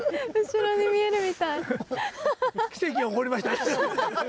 後ろに見えるみたい。